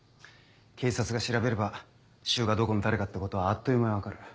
警察が調べれば柊がどこの誰かってことはあっという間に分かる。